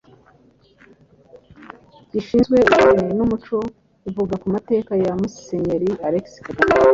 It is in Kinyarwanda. gishinzwe ururimi n’umuco ivuga ku mateka ya Musenyeri Alexis Kagame